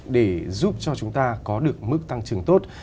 để giúp cho chúng ta có được mức tăng trưởng tốt